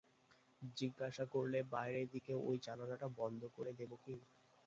জিজ্ঞাসা করলে, বাইরের দিকে ঐ জানালাটা বন্ধ করে দেব কি?